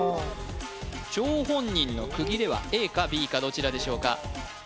張本人の区切れはＡかＢかどちらでしょうか？